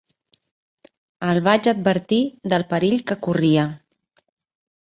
El vaig advertir del perill que corria.